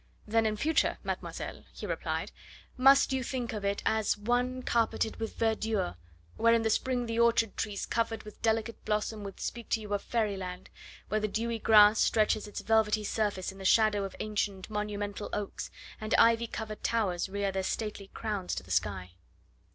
"Then, in future, mademoiselle," he replied, "must you think of it as one carpeted with verdure, where in the spring the orchard trees covered with delicate blossom would speak to you of fairyland, where the dewy grass stretches its velvety surface in the shadow of ancient monumental oaks, and ivy covered towers rear their stately crowns to the sky."